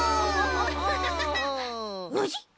ノジ！？